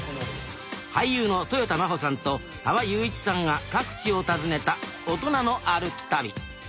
俳優のとよた真帆さんと羽場裕一さんが各地を訪ねた「おとなの歩き旅」。